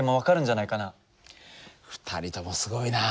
２人ともすごいな。